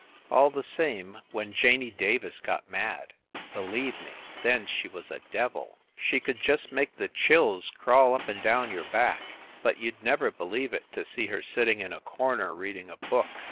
All the same, when Janey Davis got mad believe me, then she was a devil! She could just make the chills crawl up and down your back. But you d never believe it, to see her sitting in a corner reading a book.